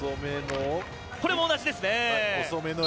これも同じですね。